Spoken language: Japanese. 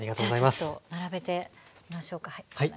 じゃあちょっと並べてみましょうか。